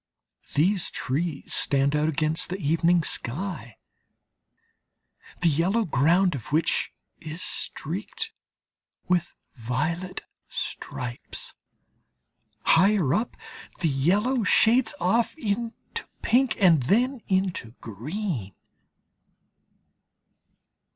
These trees stand out against the evening sky, the yellow ground of which is streaked with violet stripes. Higher up the yellow shades off into pink and then into green.